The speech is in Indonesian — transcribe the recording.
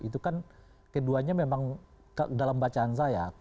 itu kan keduanya memang dalam bacaan saya